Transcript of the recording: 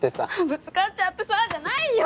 「ぶつかっちゃってさ」じゃないよ！